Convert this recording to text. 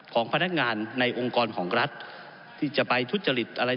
ผมอภิปรายเรื่องการขยายสมภาษณ์รถไฟฟ้าสายสีเขียวนะครับ